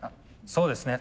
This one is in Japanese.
そうですね